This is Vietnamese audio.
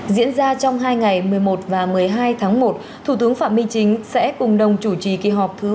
diễn ra trong hai ngày một mươi một và một mươi hai tháng một thủ tướng phạm minh chính sẽ cùng đồng chủ trì kỳ họp thứ sáu